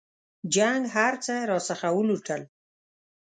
جنګ هرڅه راڅخه ولوټل.